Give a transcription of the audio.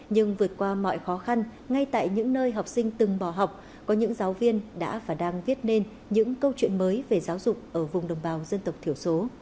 nhưng vượt qua mọi khó khăn ngay tại những nơi học sinh từng bỏ học có những giáo viên đã và đang viết nên những câu chuyện mới về giáo dục ở vùng đồng bào dân tộc thiểu số